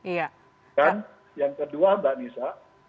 dan yang kedua mbak nissa